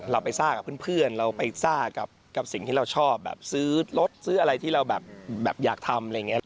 เราไปซ่ากับเพื่อนเราไปซ่ากับสิ่งที่เราชอบแบบซื้อรถซื้ออะไรที่เราแบบอยากทำอะไรอย่างนี้